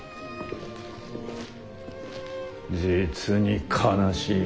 実に悲しい。